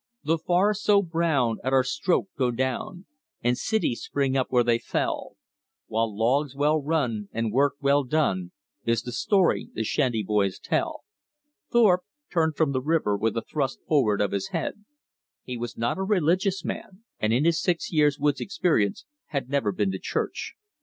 "The forests so brown at our stroke go down, And cities spring up where they fell; While logs well run and work well done Is the story the shanty boys tell." Thorpe turned from the river with a thrust forward of his head. He was not a religious man, and in his six years' woods experience had never been to church.